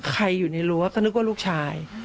อยู่ในรั้วก็นึกว่าลูกชาย